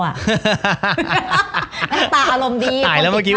หน้าตาอารมณ์ดี